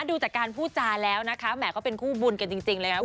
ดูจากการพูดจาแล้วนะคะแหมเขาเป็นคู่บุญกันจริงเลยนะ